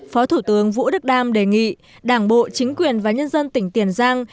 phó thủ tướng vũ đức đam đề nghị đảng bộ chính quyền và nhân dân tỉnh tiền giang